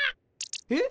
えっ。